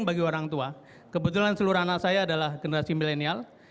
karena bagi orang tua kebetulan seluruh anak saya adalah generasi milenial